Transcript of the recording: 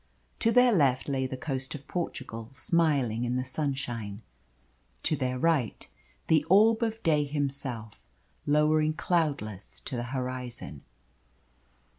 To their left lay the coast of Portugal smiling in the sunshine. To their right the orb of day himself, lowering cloudless to the horizon.